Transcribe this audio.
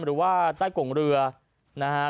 หรือว่าใต้กงเรือนะฮะ